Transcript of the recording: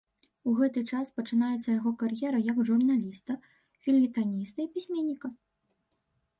У гэты час пачынаецца яго кар'ера як журналіста, фельетаніста, пісьменніка.